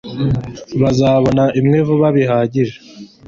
bazabona imwe vuba bihagije